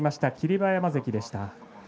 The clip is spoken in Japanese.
馬山関でした。